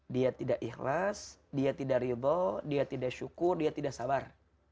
dia tidak ikhlas dia tidak ridho dia tidak syukur dia tidak sabar